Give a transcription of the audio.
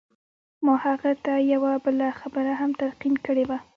ما هغه ته یوه بله خبره هم تلقین کړې وه